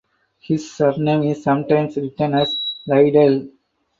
His surname is sometimes written as Lidell.